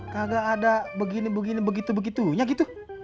kagak ada begini begini begitu begitunya gitu